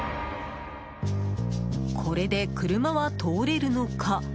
これで車は通れるのか？